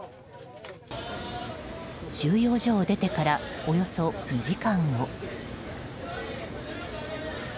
収容所を出てからおよそ２時間後。